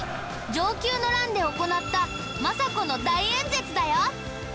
承久の乱で行った政子の大演説だよ。